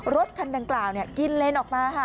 รถคันดังกล่าวกินเลนออกมาค่ะ